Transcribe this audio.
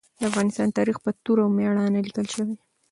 د افغانستان تاریخ په توره او مېړانه لیکل شوی.